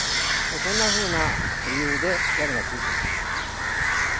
そんなふうな理由で屋根がついてます。